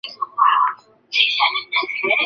它是康德哲学中的重要概念。